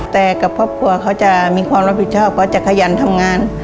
แต่กับครอบครัวเขาจะมีความรับผิดชอบเขาจะขยันทำงาน